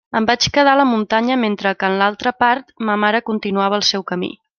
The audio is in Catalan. Em vaig quedar a la muntanya mentre que en l'altra part ma mare continuava el seu camí.